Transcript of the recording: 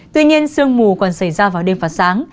tuy nhiên sương mù còn xảy ra vào đêm và sáng